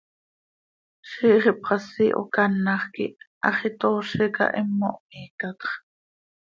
Ziix ipxasi hocanaj quih hax itoozi cah, himo hmiicatx.